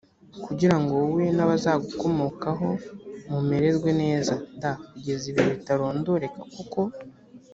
kugira ngo wowe n abazagukomokaho mumererwe neza d kugeza ibihe bitarondoreka kuko